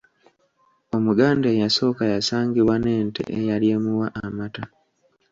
Omuganda eyasooka yasangibwa n’ente eyali emuwa amata.